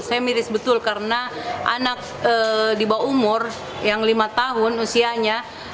saya miris betul karena anak di bawah umur yang lima tahun usianya